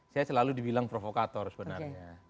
saya selalu dibilang provokator sebenarnya